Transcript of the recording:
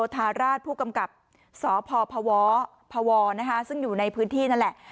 ทาราชผู้กำกับสพพวซึ่งอยู่ในพื้นที่นั่นแหละ